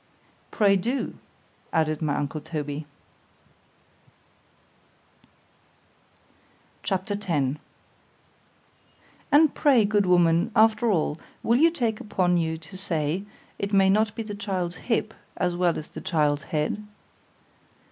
Pray do, added my uncle Toby. C H A P. X ——AND pray, good woman, after all, will you take upon you to say, it may not be the child's hip, as well as the child's head?